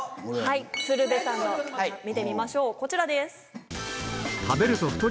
鶴瓶さんの見てみましょうこちらです。